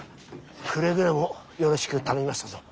くれぐれもよろしく頼みましたぞ。